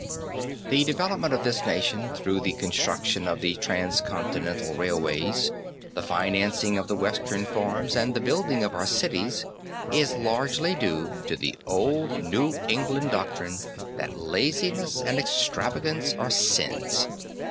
The development of this nation through the construction of the transcontinental railways, the financing of the western farms, and the building of our cities is largely due to the old New England doctrine that laziness and extravagance are sins.